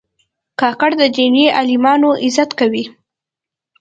کاکړ د دیني عالمانو عزت کوي.